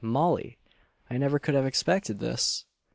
Molly! I never could have expected this!"